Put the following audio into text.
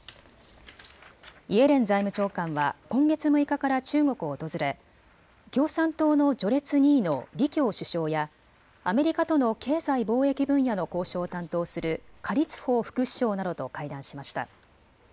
イエレン財務長官は今月６日から中国を訪れ共産党の序列２位の李強首相やアメリカとの経済・貿易分野の交渉を担当する何立峰副首相などと会談しました。